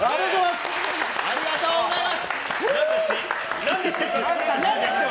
ありがとうございます！